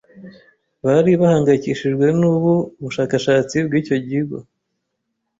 bari bahangayicyishijwe n'ubu bushakashatsi bw'icyo kigo